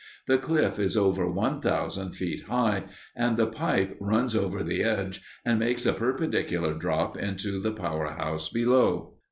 The cliff is over one thousand feet high, and the pipe runs over the edge and makes a perpendicular drop into the power house below.